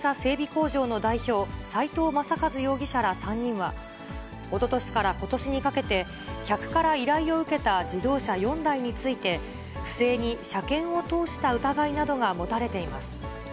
工場の代表、斉藤正和容疑者ら３人は、おととしからことしにかけて、客から依頼を受けた自動車４台について、不正に車検を通した疑いなどが持たれています。